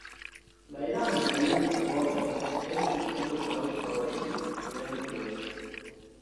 La jam donita voto estis ankaŭ por ŝi leĝo.